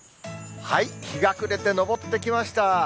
日が暮れて昇ってきました。